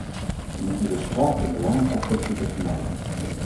We moeten dus trachten belangenconflicten te vermijden.